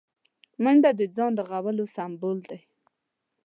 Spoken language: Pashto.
منډه د ځان رغولو سمبول دی